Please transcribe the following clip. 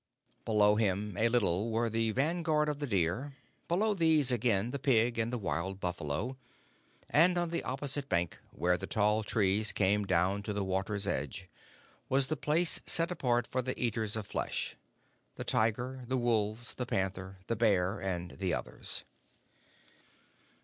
Below him a little were the vanguard of the deer; below these, again, the pig and the wild buffalo; and on the opposite bank, where the tall trees came down to the water's edge, was the place set apart for the Eaters of Flesh the tiger, the wolves, the panther, and the bear, and the others.